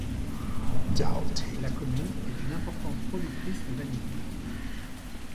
La commune est une importante productrice de vanille.